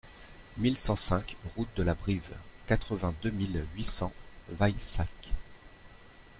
mille cent cinq route de la Brive, quatre-vingt-deux mille huit cents Vaïssac